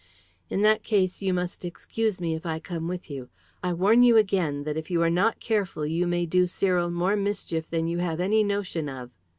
"In that case you must excuse me if I come with you. I warn you again, that if you are not careful you may do Cyril more mischief than you have any notion of."